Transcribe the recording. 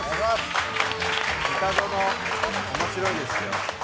『ミタゾノ』面白いですよ。